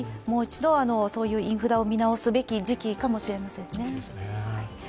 もう一度そういうインフラを見直す時期かもしれませんね。